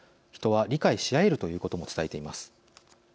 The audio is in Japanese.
人は理解し合えるということも伝えています。